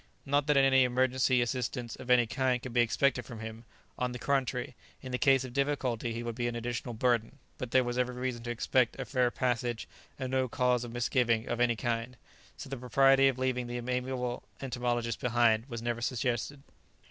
Not that in any emergency assistance of any kind could be expected from him; on the contrary, in the case of difficulty he would be an additional burden; but there was every reason to expect a fair passage and no cause of misgiving of any kind, so the propriety of leaving the amiable entomologist behind was never suggested.